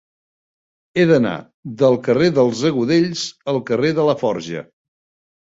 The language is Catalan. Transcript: He d'anar del carrer dels Agudells al carrer de Laforja.